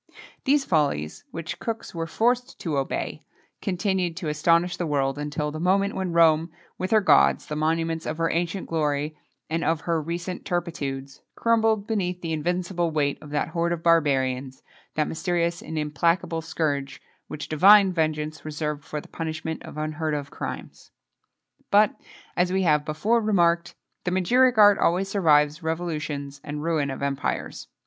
[XXII 30] These follies, which cooks were forced to obey, continued to astonish the world until the moment when Rome with her gods, the monuments of her ancient glory, and of her recent turpitudes crumbled beneath the invincible weight of that horde of barbarians, that mysterious and implacable scourge, which Divine vengeance reserved for the punishment of unheard of crimes. But, as we have before remarked, the magiric art always survives revolutions and ruin of empires.